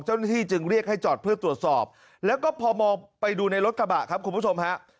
เจ้าหน้าที่จึงเรียกให้จอดเพื่อตรวจสอบแล้วก็พอมองไปดูในรถกระบะครับคุณผู้ชมฮะ